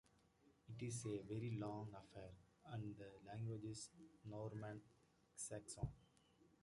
It is a very long affair, and the language is Norman-Saxon.